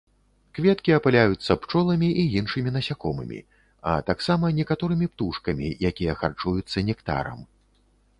Кветкі апыляюцца пчоламі і іншымі насякомымі, а таксама некаторымі птушкамі, якія харчуюцца нектарам.